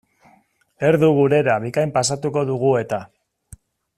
Erdu gurera bikain pasatuko dugu eta.